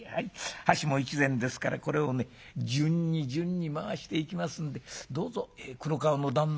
箸も一膳ですからこれをね順に順に回していきますんでどうぞ黒川の旦那」。